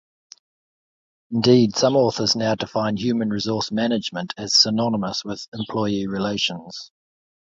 Indeed, some authors now define human resource management as synonymous with employee relations.